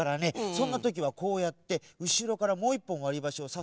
そんなときはこうやってうしろからもう１ぽんわりばしをさすでしょ。